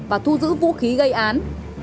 và thu giữ vũ khí gây án